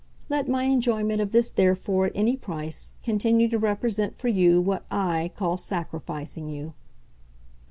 Let my enjoyment of this therefore, at any price, continue to represent for you what I call sacrificing you."